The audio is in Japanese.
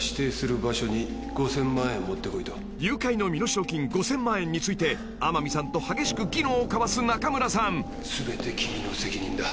［誘拐の身代金５，０００万円について天海さんと激しく議論を交わす仲村さん］